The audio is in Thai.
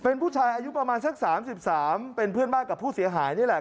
เป็นผู้ชายอายุประมาณสัก๓๓เป็นเพื่อนบ้านกับผู้เสียหายนี่แหละ